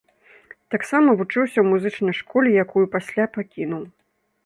Таксама вучыўся ў музычнай школе, якую пасля пакінуў.